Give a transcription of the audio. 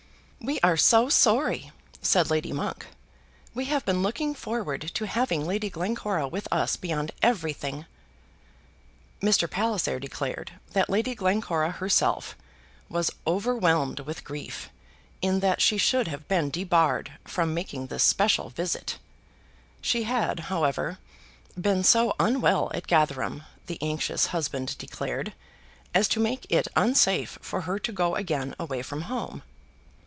"We are so sorry," said Lady Monk. "We have been looking forward to having Lady Glencora with us beyond everything." Mr. Palliser declared that Lady Glencora herself was overwhelmed with grief in that she should have been debarred from making this special visit. She had, however, been so unwell at Gatherum, the anxious husband declared, as to make it unsafe for her to go again away from home.